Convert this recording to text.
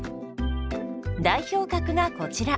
代表格がこちら。